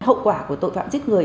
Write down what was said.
hậu quả của tội phạm giết người